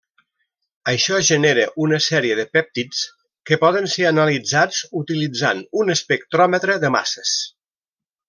Això genera una sèrie de pèptids que poden ser analitzats utilitzant un espectròmetre de masses.